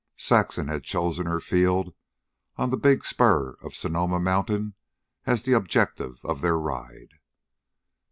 Saxon had chosen her field on the big spur of Sonoma Mountains as the objective of their ride.